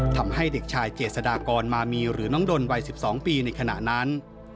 ทำให้เด็กชายเจษฎากรมามีหรือน้องดนวัย๑๒ปีในขณะนั้น